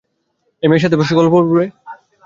এই মেয়ের সাথে বসে গল্প করবে?